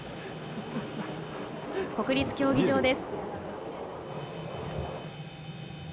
国立競技場です。